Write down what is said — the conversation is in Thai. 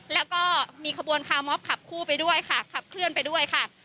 แล้วก็มีขบวนคามอฟขับคู่ไปด้วยค่ะขับเคลื่อนไปด้วยค่ะ